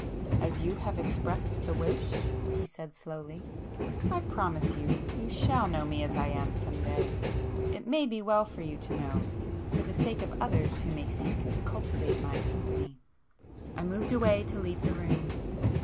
"As you have expressed the wish,"—he said slowly—"I promise you you shall know me as I am some day! It may be well for you to know,—for the sake of others who may seek to cultivate my company." I moved away to leave the room.